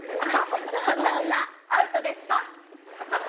こんな女、アウトですか？